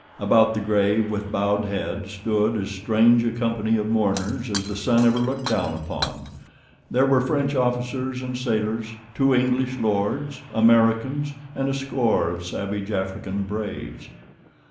About the grave, with bowed heads, stood as strange a company of mourners as the sun ever looked down upon. There were French officers and sailors, two English lords, Americans, and a score of savage African braves.